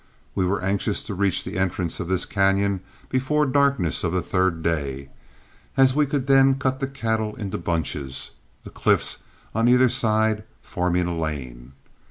We were anxious to reach the entrance of this cañon before darkness on the third day, as we could then cut the cattle into bunches, the cliffs on either side forming a lane.